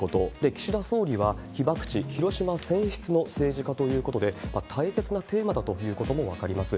岸田総理は被爆地、広島選出の政治家ということで、大切なテーマだということも分かります。